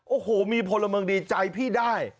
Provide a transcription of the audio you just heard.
โอ้โหมีพลเมืองดีใจพี่ได้